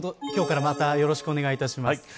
今日からよろしくお願いします。